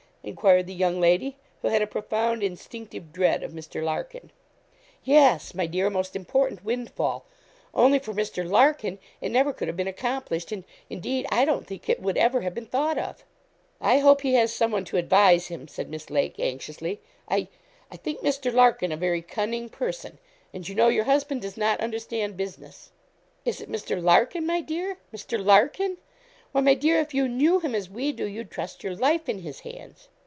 enquired the young lady, who had a profound, instinctive dread of Mr. Larkin. 'Yes, my dear; a most important windfall. Only for Mr. Larkin, it never could have been accomplished, and, indeed, I don't think it would ever have been thought of.' 'I hope he has some one to advise him,' said Miss Lake, anxiously. 'I I think Mr. Larkin a very cunning person; and you know your husband does not understand business.' 'Is it Mr. Larkin, my dear? Mr. Larkin! Why, my dear, if you knew him as we do, you'd trust your life in his hands.'